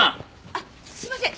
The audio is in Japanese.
あっすいません。